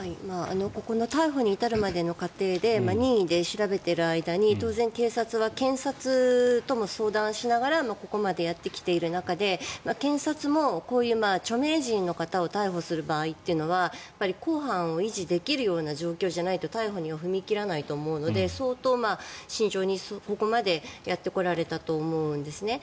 逮捕に至るまでの過程で任意で調べている間に当然、警察は検察とも相談しながらここまでやってきている中で検察もこういう著名人の方を逮捕する場合というのは公判を維持できるような状況でないと逮捕には踏み切らないと思うので相当、慎重にここまでやってこられたと思うんですね。